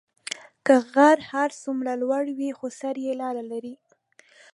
که غر هر څومره لوړی وي، خو سر یې لار لري.